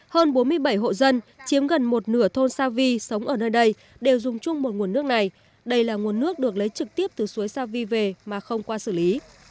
hơn bốn mươi bảy hộ dân chiếm gần một nửa thôn sa vi sống ở nơi đây đều dùng chung một nguồn nước này đây là nguồn nước được lấy trực tiếp từ suối sa vi về mà không qua xử lý